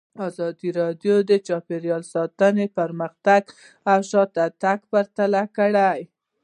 ازادي راډیو د چاپیریال ساتنه پرمختګ او شاتګ پرتله کړی.